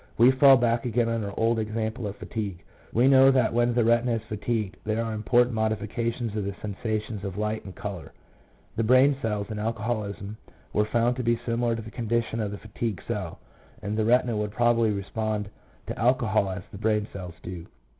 We fall back again on our old example of fatigue. We know that when the retina is fatigued there are important modifications of the sensations of light and colour. The brain cells, in alcoholism, were found to be similar to the condition of the fatigued cell, and the retina would probably respond to alcohol as the brain cells do.